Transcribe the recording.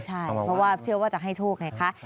ใช่เพราะว่าเชื่อว่าจะให้โชคไงคะ